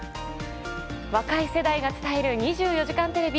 若い世代が伝える「２４時間テレビ」